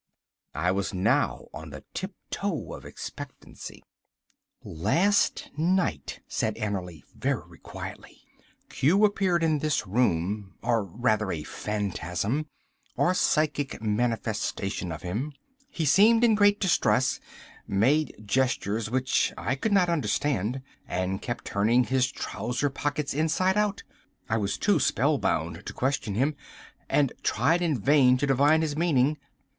I was now on the tiptoe of expectancy. "Last night," said Annerly very quietly, "Q appeared in this room, or rather, a phantasm or psychic manifestation of him. He seemed in great distress, made gestures which I could not understand, and kept turning his trouser pockets inside out. I was too spellbound to question him, and tried in vain to divine his meaning.